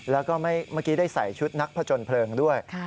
แล้วก็เมื่อกี้ได้ใส่ชุดนักผจญเพลิงด้วย